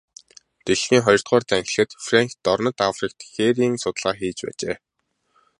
Дэлхийн хоёрдугаар дайн эхлэхэд Фрэнк дорнод Африкт хээрийн судалгаа хийж байжээ.